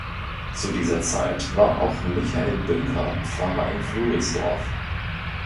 Zu dieser Zeit war auch Michael Bünker Pfarrer in Floridsdorf.